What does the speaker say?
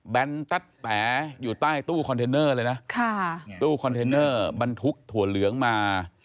แนนตั๊ดแต๋อยู่ใต้ตู้คอนเทนเนอร์เลยนะค่ะตู้คอนเทนเนอร์บรรทุกถั่วเหลืองมา